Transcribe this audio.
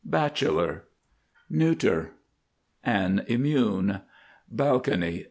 BACHELOR, n. An immune. BALCONY.